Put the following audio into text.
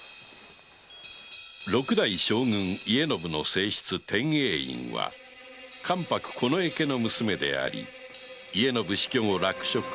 六代将軍・家宣の正室天英院は関白近衛家の娘であり家宣死去後落飾。